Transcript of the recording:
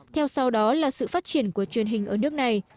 theo sau đó là sự phát triển của truyền hình ở nước này